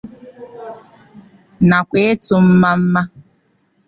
nakwa ịtụ mmamma.